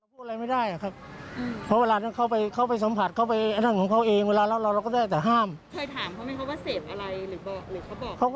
เพราะสิ่งที่สังคมเขายอมรับ